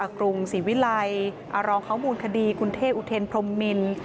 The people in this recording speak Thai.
อกรุงศรีวิลัยอรองข้าวมูลคดีคุณเทศอุทธินปรมมิล